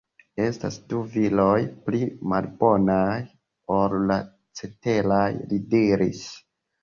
Estas du viroj pli malbonaj ol la ceteraj” li diris.